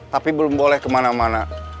tapi belum boleh kemana mana